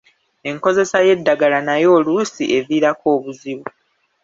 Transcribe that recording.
Enkozesa y’eddagala n’ayo oluusi eviirako obuzibu.